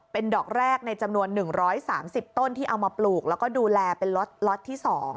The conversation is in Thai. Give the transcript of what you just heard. เป็นดอกแรกในจำนวน๑๓๐ต้นที่เอามาปลูกแล้วก็ดูแลเป็นล็อตที่๒